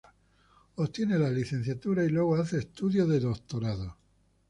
Obtiene la licenciatura y luego hace estudios de Doctorado.